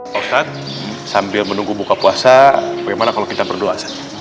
pak ustadz sambil menunggu buka puasa bagaimana kalau kita berdoa pak ustadz